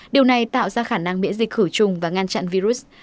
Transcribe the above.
điều này tạo ra khả năng miễn dịch khử trùng và ngăn chặn virus